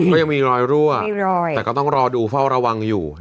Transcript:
ก็ยังมีรอยรั่วมีรอยแต่ก็ต้องรอดูเฝ้าระวังอยู่